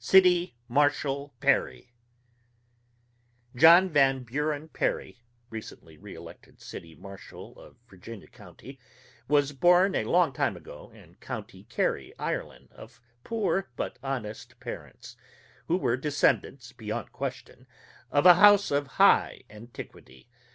CITY MARSHAL PERRY John Van Buren Perry, recently re elected City Marshal of Virginia City, was born a long time ago, in County Kerry, Ireland, of poor but honest parents, who were descendants, beyond question, of a house of high antiquity.